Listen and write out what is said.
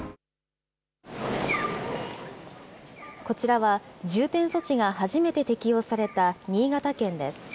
こちらは重点措置が初めて適用された新潟県です。